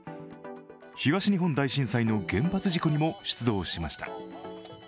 東日本大震災の原発事故にも出動しました。